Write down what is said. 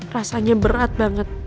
rasanya berat banget